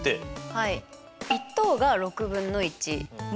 はい。